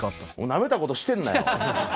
なめたことしてんなよ。